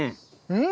うん！